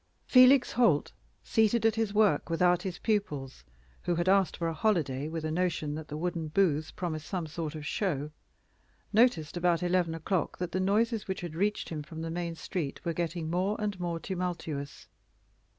Felix Holt, seated at his work without his pupils, who had asked for a holiday with a notion that the wooden booths promised some sort of show, noticed about eleven o'clock that the noises which reached him from the main street were getting more and more tumultuous.